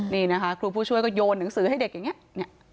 นี่นะคะครูผู้ช่วยก็โยนหนังสือให้เด็กอย่างนี้